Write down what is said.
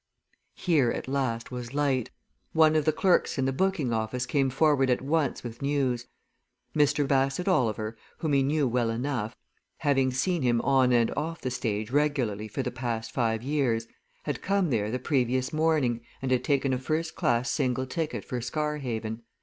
Here at last, was light. One of the clerks in the booking office came forward at once with news. Mr. Bassett Oliver, whom he knew well enough, having seen him on and off the stage regularly for the past five years, had come there the previous morning, and had taken a first class single ticket for Scarhaven.